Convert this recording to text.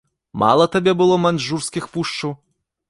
Мала табе было маньчжурскіх пушчаў?